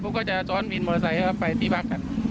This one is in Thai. พวกเขาก็จะจ้อนวินมอเตอร์ไซต์ไปที่บัคคัน